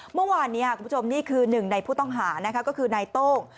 เมื่อวานนี้คุณผู้ชมนี่คือหนึ่งในผู้ต้องหานะคะก็คือนายโต้ง